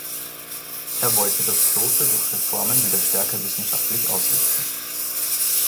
Er wollte das Kloster durch Reformen wieder stärker wissenschaftlich ausrichten.